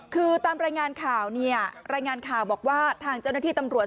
คือตามรายงานข่าวบอกว่าทางเจ้าหน้าที่ตำรวจ